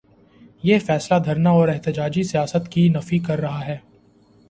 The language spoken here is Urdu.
یہ فیصلہ دھرنا اور احتجاجی سیاست کی نفی کر رہا ہے۔